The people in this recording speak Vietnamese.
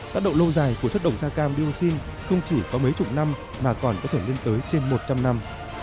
tác động lâu dài của chất độc da cam dioxin không chỉ có mấy chục năm mà còn có thể lên tới trên một trăm linh năm